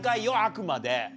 あくまで。